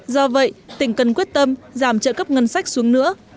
do vậy tỉnh cần quyết tâm giảm trợ cấp ngân sách xuống nữa